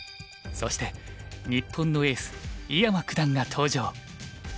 そして日本のエース井山九段が登場。